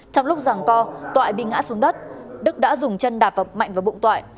trong lúc ràng co toại bị ngã xuống đất đức đã dùng chân đạp mạnh vào bụng toại